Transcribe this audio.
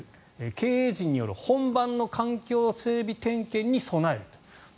経営陣による本番の環境整備点検に備えるという。